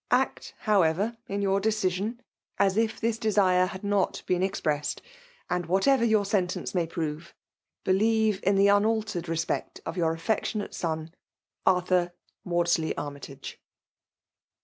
Act, however, m your decision, as if this desire had not been expressed; and whatever yotur sentence may prove, believe in the unaltered respect of your affectionate son, " Arthur Macdslet ARirrTAes.'